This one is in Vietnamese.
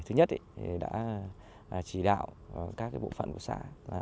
thứ nhất đã chỉ đạo các bộ phận của xã